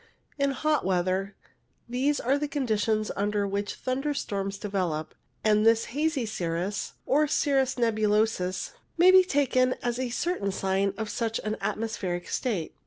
'In hot weather these are the conditions under which thunder storms develop, and this hazy cirrus, or cirrus nebulosus, may be taken as a certain sign of such an atmospheric state.